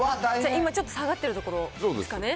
今、ちょっと下がってるところですかね。